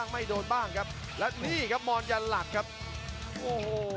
ไม่โดนบ้างครับและนี่ครับมอนยันหลักครับโอ้โห